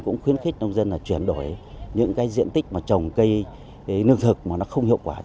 cũng khuyến khích nông dân là chuyển đổi những cái diện tích mà trồng cây nương thực mà nó không hiệu quả